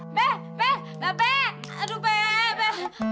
be be be be aduh be be